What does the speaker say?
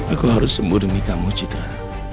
aku harus sembuh demi kamu citra